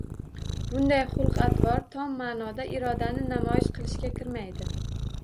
Bunday xulq-atvor tom maʼnoda irodani namoyish qilishga kirmaydi